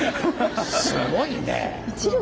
すごいね。